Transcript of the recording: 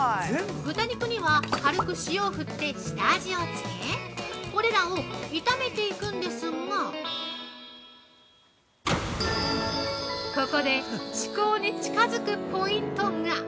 豚肉には軽く塩を振って下味をつけ、これらを炒めていくんですがここで、至高に近づくポイントが！